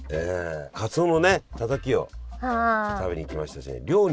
かつおのねたたきを食べに行きましたしね